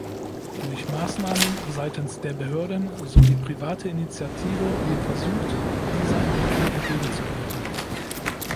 Durch Maßnahmen seitens der Behörden sowie private Initiative wird versucht, dieser Entwicklung entgegenzuwirken.